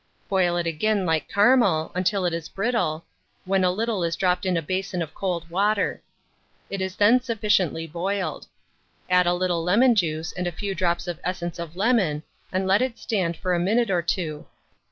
Boil it again like caramel, until it is brittle, when a little is dropped in a basin of cold water: it is then sufficiently boiled. Add a little lemon juice and a few drops of essence of lemon, and let it stand for a minute or two.